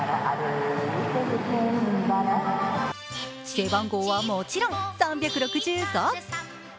背番号はもちろん３６５。